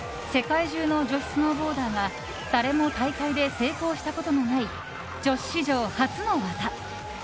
世界中の女子スノーボーダーが誰も大会で成功したことのない女子史上初の技。